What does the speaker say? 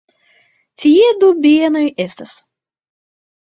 Tie du bienoj estas.